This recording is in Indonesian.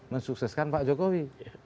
mensukseskan pak jokowi